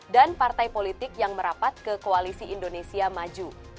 dan partai politik yang merapat ke koalisi indonesia maju